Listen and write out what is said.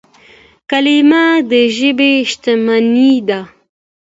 کلیمه د ژبي شتمني ده.